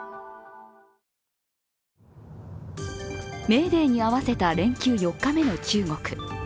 メーデーに合わせた連休４日目の中国。